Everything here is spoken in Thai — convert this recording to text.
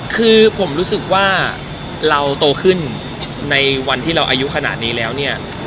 คือผมรู้สึกว่าเราโตขึ้นในวันที่เราอายุขนาดนี้แล้วเนี่ย